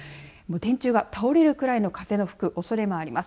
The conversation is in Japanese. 電柱が倒れるくらいの風が吹くおそれがあります。